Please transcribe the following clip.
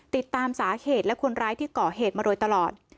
ติดตามสาเหตุและคนร้ายที่ก่อเหตุมาโดยตลอด